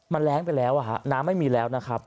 มันแรงไปแล้วน้ำไม่มีแล้วนะครับ